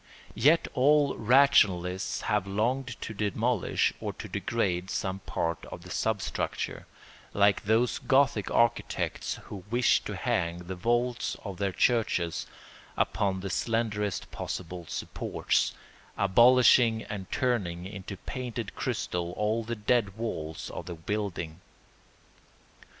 Yet all rationalists have longed to demolish or to degrade some part of the substructure, like those Gothic architects who wished to hang the vaults of their churches upon the slenderest possible supports, abolishing and turning into painted crystal all the dead walls of the building.